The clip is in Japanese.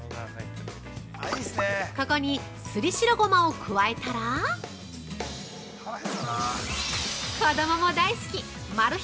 ここにすり白ごまを加えたら子供も大好きマル秘